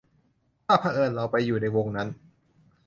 ถ้าเผอิญเราไปอยู่ในวงนั้น